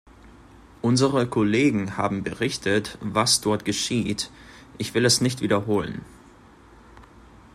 Unsere Kollegen haben berichtet, was dort geschieht, ich will es nicht wiederholen.